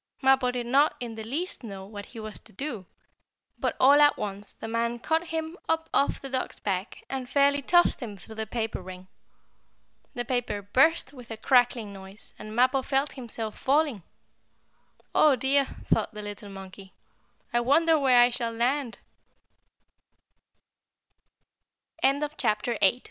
Mappo did not in the least know what he was to do, but, all at once, the man caught him up off the dog's back, and fairly tossed him through the paper ring. The paper burst with a crackling noise, and Mappo felt himself falling. "Oh dear!" thought the little monkey, "I wonder where I shall land!" CHAPTER